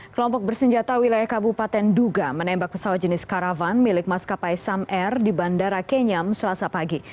kelompok bersenjata wilayah kabupaten duga menembak pesawat jenis karavan milik maskapai sam air di bandara kenyam selasa pagi